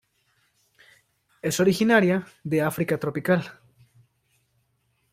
Es originaria de África tropical.